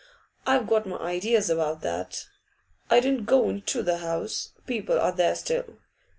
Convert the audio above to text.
I've got my ideas about that. I didn't go into the house; people are there still.